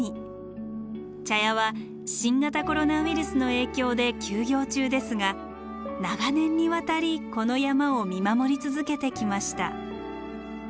茶屋は新型コロナウイルスの影響で休業中ですが長年にわたりこの山を見守り続けてきました。